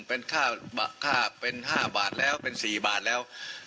เป็นค่าเป็น๕บาทแล้วเป็น๔บาทแล้ว